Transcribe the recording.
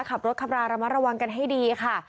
ขับรถขับราระมัดระวังกันให้ดีค่ะ